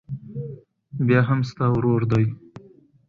بيا هم ستا ورور دى.